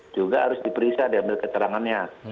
juga harus diperiksa diambil keterangannya